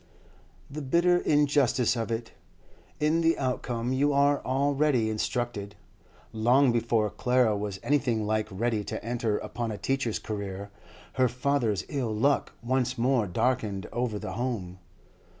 The bitter injustice of it! In the outcome you are already instructed. Long before Clara was anything like ready to enter upon a teacher's career, her father's ill luck once more darkened over the home.